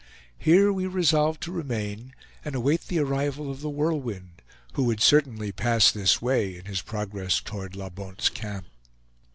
Here we resolved to remain and await the arrival of The Whirlwind, who would certainly pass this way in his progress toward La Bonte's Camp.